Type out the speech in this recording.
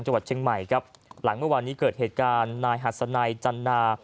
จังหวัดเชียงใหม่ครับหลังเมื่อวานนี้เกิดเหตุการณ์นายหัสนัยจันนา